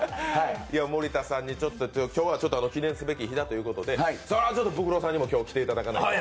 森田さん、今日は記念すべき日だということで、それはちょっと、ブクロさんにも来ていただかないと。